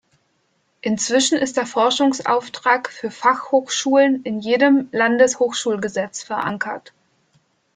Inzwischen ist der Forschungsauftrag für Fachhochschulen in jedem Landeshochschulgesetz verankert.